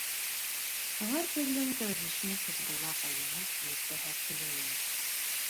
Һыңар күҙле НКВД-шник Хисбулла Ҡәйүмов бик зәһәр көлә ине.